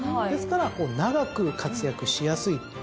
ですから長く活躍しやすい。